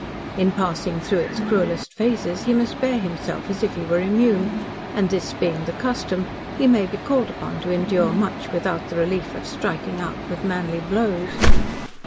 In passing through its cruelest phases he must bear himself as if he were immune, and this being the custom, he may be called upon to endure much without the relief of striking out with manly blows.